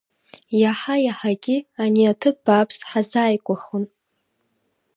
Иаҳа-иаҳагьы ани аҭыԥ бааԥс ҳазааигәахон.